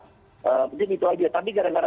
alhamdulillah sih sejauh ini meskipun anaknya nomor dua